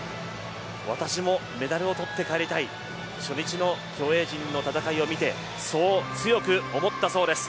私もメダルを取って帰りたい初日の競泳陣の戦いを見て、そう強く思ったそうです。